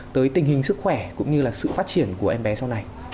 tới tình hình sức khỏe cũng như là sự phát triển của em bé sau này